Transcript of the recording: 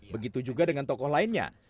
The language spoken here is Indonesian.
begitu juga dengan tokoh lainnya